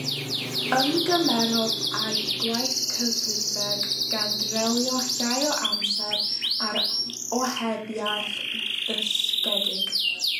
Ymgymerodd â gwaith cyfrifeg, gan dreulio llai o amser ar ohebiaeth ddysgedig.